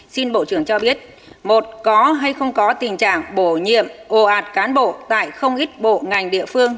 xin bộ trưởng cho biết một có hay không có tình trạng bổ nhiệm ồ ạt cán bộ tại không ít bộ ngành địa phương